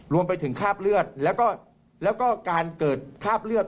รวมไปถึงคราบเลือดแล้วก็การเกิดคราบเลือด